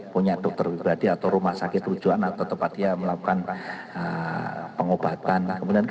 punya dokter jadi atau rumah sakit tujuan atau tempat dia melakukan pengobatan kemudian